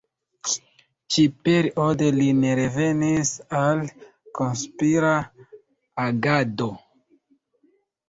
Ĉi-periode li ne revenis al konspira agado.